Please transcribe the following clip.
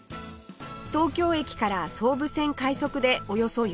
東京駅から総武線快速でおよそ４０分